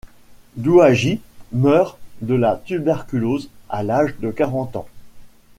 Douagi meurt de la tuberculose à l'âge de quarante ans.